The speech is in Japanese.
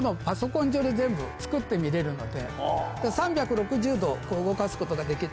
３６０度動かすことができる。